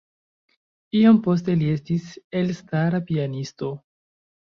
Iom poste li estis elstara pianisto.